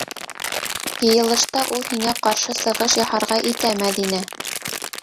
- Йыйылышта ул һиңә ҡаршы сығыш яһарға итә, Мәҙинә!